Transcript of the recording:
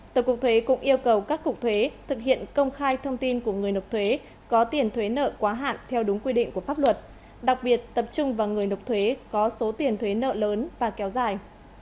tổng cục thuế cũng yêu cầu các cục thuế thực hiện công khai thông tin của người nộp thuế có tiền thuế nợ quá hạn theo đúng quy định của pháp luật đặc biệt tập trung vào người nộp thuế có số tiền thuế nợ lớn và kéo dài